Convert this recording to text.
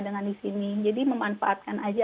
dengan di sini jadi memanfaatkan aja